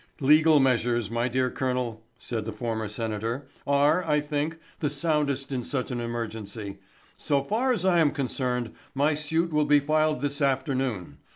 "Legal measures, my dear colonel," said the former senator, "are, I think, the soundest in such an emergency. So far as I am concerned my suit will be filed this afternoon.